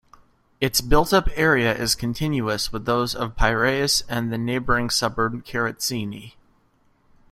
Its built-up area is continuous with those of Piraeus and the neighbouring suburb Keratsini.